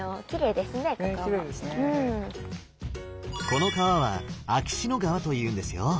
この川は秋篠川というんですよ。